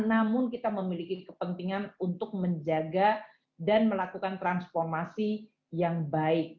namun kita memiliki kepentingan untuk menjaga dan melakukan transformasi yang baik